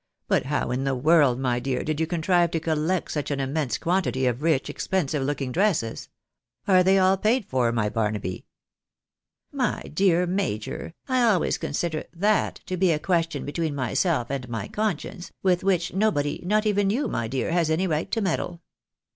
" But how in the world, my dear, did you contrive to collect such an immense quantity of rich, expensive looking dresses? — are they all paid for, my Barnaby?" " My dear major, I always consider that to be a question between myself and my conscience, with which nobody, not even you, my dear, has any right to meddle.